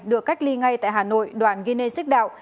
được cách ly ngay tại hà nội đoàn guinea xích đạo